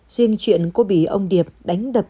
riêng chuyện cô bị ông điệp đánh đập